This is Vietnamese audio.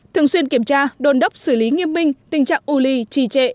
thường xuyên kiểm tra đồn đốc xử lý nghiêm minh tình trạng u ly trì trệ